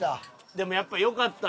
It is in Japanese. でもやっぱよかったわ。